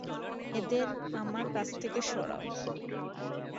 এদের আমার কাছ থেকে সরাও!